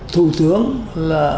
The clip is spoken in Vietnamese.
thủ tướng là